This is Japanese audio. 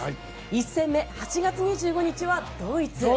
１戦目、８月２５日はドイツ。